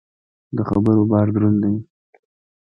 د خبرو بار دروند دی.